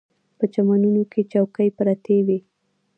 په چمنونو کې چوکۍ پرتې وې.